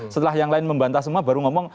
setelah yang lain membantah semua baru ngomong